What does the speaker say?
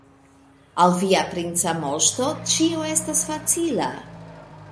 Al via princa moŝto ĉio estas facila.